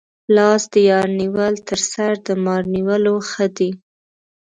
لاس د یار نیول تر سر د مار نیولو ښه دي.